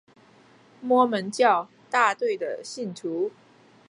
摩门教大队的信徒。